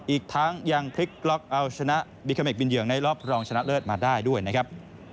อีกทั้งยังพลิกล็อกเอาชนะบีคาเมกบินเหยืองในรอบรองชนะเลิศมาได้ด้วยนะครับ